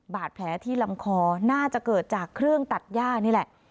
บาดแผลที่ลำคอน่าจะเกิดจากเครื่องตัดย่านี่แหละ